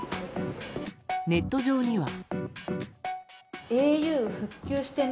ネット上には。